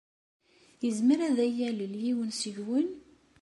Yezmer ad iyi-yalel yiwen seg-wen?